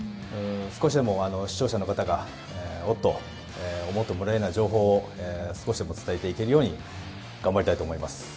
少しでも視聴者の方がおっ！と思ってもらえるような情報を少しでも伝えていけるように頑張りたいと思います。